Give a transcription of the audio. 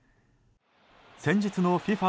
先日のＦＩＦＡ